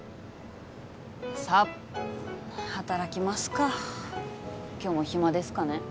さっ働きますか今日も暇ですかね